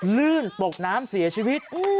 ลื่นตกน้ำเสียชีวิต